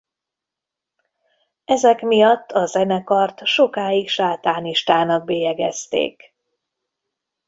Ezek miatt a zenekart sokáig sátánistának bélyegezték.